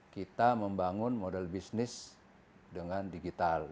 kita membangun model bisnis dengan digital